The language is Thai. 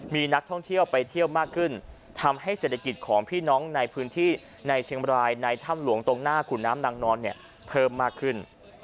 มีนักท่องเที่ยวไปเที่ยวมากขึ้นทำให้เศรษฐกิจของพี่น้องในพื้นที่ในเชียงบรายในถ้ำหลวงตรงหน้าขุนน้ำนางนอนเนี่ยเพิ่มมากขึ้น